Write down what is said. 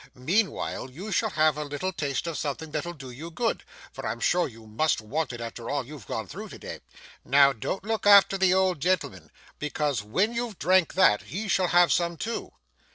Meanwhile you shall have a little taste of something that'll do you good, for I'm sure you must want it after all you've gone through to day. Now, don't look after the old gentleman, because when you've drank that, he shall have some too.